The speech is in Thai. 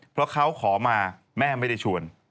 เพราะเขาขอมาแม่ไม่ได้ชวน